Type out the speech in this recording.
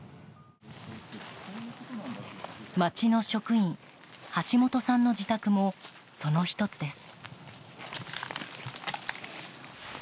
町の職員、橋本さんの自宅もその１つです。